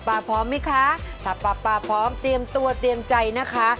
พร้อมไหมคะถ้าป๊าป๊าพร้อมเตรียมตัวเตรียมใจนะคะ